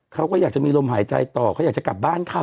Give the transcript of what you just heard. เขาก็อยากจะมีลมหายใจต่อเขาอยากจะกลับบ้านเขา